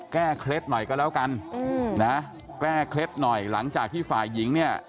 เคล็ดหน่อยก็แล้วกันนะแก้เคล็ดหน่อยหลังจากที่ฝ่ายหญิงเนี่ย